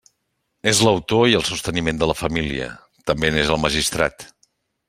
És l'autor i el sosteniment de la família; també n'és el magistrat.